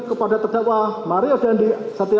kepada terdakwa mario dandi satya